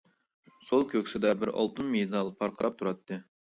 سول كۆكسىدە بىر ئالتۇن مېدال پارقىراپ تۇراتتى.